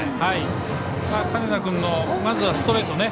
金田君のまずはストレート。